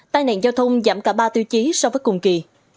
tai nạn giao thông giảm cả ba tiêu chí so với cùng kỳ